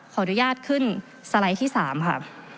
ขออนุญาตขึ้นสไลด์ที่๓ค่ะ